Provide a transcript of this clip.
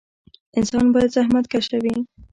انسان باید زخمتکشه وي